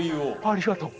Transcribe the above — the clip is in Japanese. ありがとう。